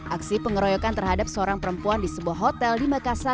aksi pengeroyokan terhadap seorang perempuan di sebuah hotel di makassar